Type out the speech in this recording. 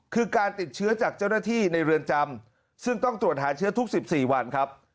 คือการติดเชื้อจากเจ้าหน้าที่ในเรือนจำซึ่งต้องตรวจหาเชื้อทุก๑๔วันครับ